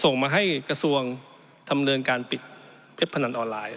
ส่งมาให้กระทรวงดำเนินการปิดเว็บพนันออนไลน์